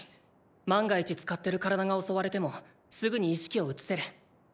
万が一使ってる体が襲われてもすぐに意識を移せる。